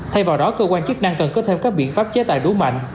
thay vào đó cơ quan chức năng cần có thêm các biện pháp chế tài đủ mạnh